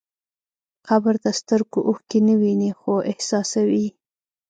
قبر د سترګو اوښکې نه ویني، خو احساسوي.